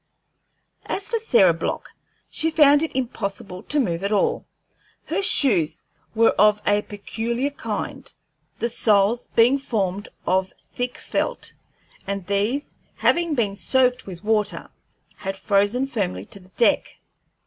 As for Sarah Block, she found it impossible to move at all. Her shoes were of a peculiar kind, the soles being formed of thick felt, and these, having been soaked with water, had frozen firmly to the deck.